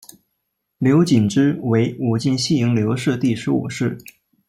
刘谨之为武进西营刘氏第十五世。